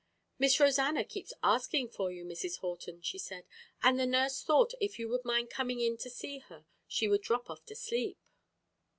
"Miss Rosanna keeps asking for you, Mrs. Horton," she said, "and the nurse thought if you would mind coming in to see her she would drop off to sleep."